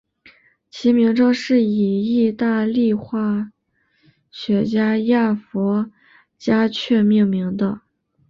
其名称是以义大利化学家亚佛加厥命名的。